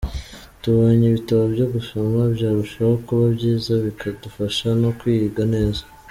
Tubonye ibitabo byo gusoma byarushaho kuba byiza bikadufasha no kwiga neza”.